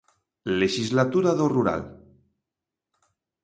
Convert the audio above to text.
Lexislatura do rural.